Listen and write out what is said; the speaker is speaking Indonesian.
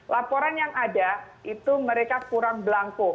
laporan yang ada itu mereka kurang belangko